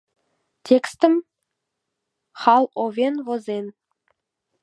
Текстым Халл Овен возен.